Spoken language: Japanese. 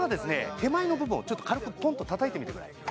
手前の部分を軽くポンとたたいてみてください